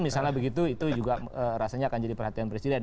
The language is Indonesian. misalnya begitu itu juga rasanya akan jadi perhatian presiden